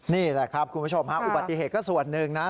นี่แหละครับคุณผู้ชมฮะอุบัติเหตุก็ส่วนหนึ่งนะ